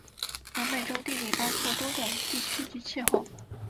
南美洲地理包括多种地区及气候。